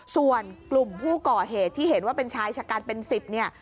ส่วนกลุ่มผู้ก่อเหตุที่เห็นว่าเป็นชายชะกันเป็น๑๐เนี่ย